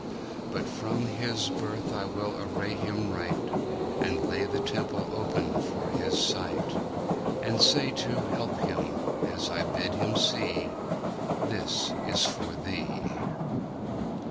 'But from his birth I will array him right, And lay the temple open for his sight, And say to help him, as I bid him see: "This is for thee!"